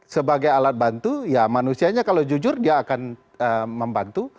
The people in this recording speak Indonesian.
sebagai alat bantu ya manusianya kalau jujur dia akan membantu